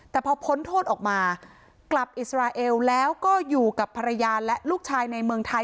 แต่พอพ้นโทษออกมากลับอิสราเอลแล้วก็อยู่กับภรรยาและลูกชายในเมืองไทย